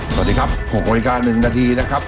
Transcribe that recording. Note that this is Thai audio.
สวัสดีครับ๖โว้ย๙นึงนาทีนะครับ